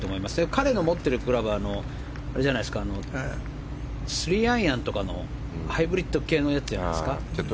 彼の持ってるクラブは３アイアンとかのハイブリッド系のやつじゃないですか。